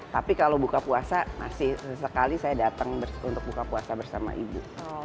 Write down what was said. tapi kalau buka puasa masih sesekali saya datang untuk buka puasa bersama ibu